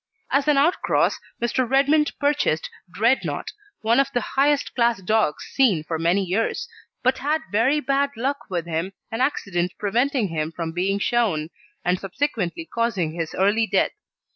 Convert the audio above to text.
As an outcross Mr. Redmond purchased Dreadnought, one of the highest class dogs seen for many years, but had very bad luck with him, an accident preventing him from being shown and subsequently causing his early death.